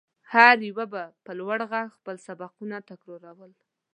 هر يوه به په لوړ غږ خپل سبقونه تکرارول.